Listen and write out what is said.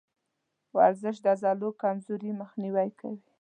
ورزش د عضلو کمزوري مخنیوی کوي.